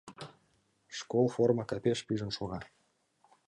Школ форма капеш пижын шога.